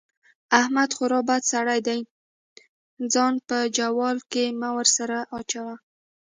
احمد خورا بد سړی دی؛ ځان په جوال کې مه ور سره اچوه.